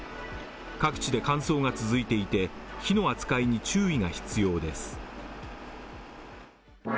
各地で乾燥が続いていて火の扱いに注意が必要です。